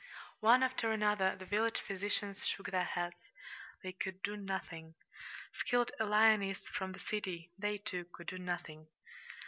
One after another the village physicians shook their heads they could do nothing. Skilled alienists from the city they, too, could do nothing.